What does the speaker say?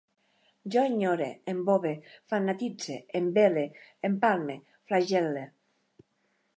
Jo enyore, embove, fanatitze, envele, empalme, flagel·le